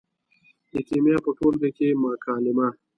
د کیمیا په ټولګي کې مکالمه